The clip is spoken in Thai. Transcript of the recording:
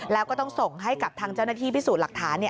แล้วก็ต้องส่งให้กับทางเจ้าหน้าที่พิสูจน์หลักฐาน